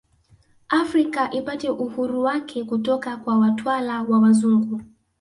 Afrika ipate uhuru wake kutoka kwa watwala wa wazungu